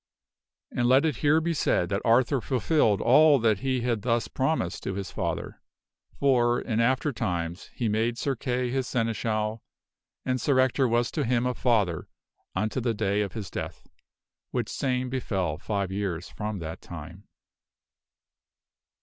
And let it here be said that Arthur fulfilled all that he had thus promised to his father for, in after times, he made Sir Kay his Sene. schal, and Sir Ector was to him a father until the day of his death, which same befell five years from that time.